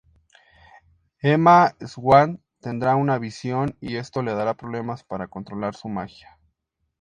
Emma Swan tendrá una visión y esto le dará problemas para controlar su magia.